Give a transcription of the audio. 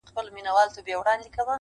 د اله زار خبري ډېري ښې دي.